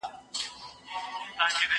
چي موږ ټوله په یوه ژبه ګړېږو